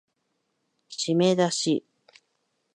しめだし